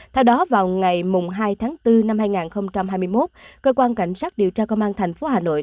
theo đó vào ngày hai tháng bốn năm hai nghìn hai mươi một cơ quan cảnh sát điều tra công an tp hà nội